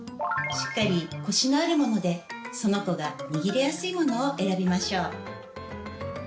しっかりコシのあるものでその子が握りやすいものを選びましょう。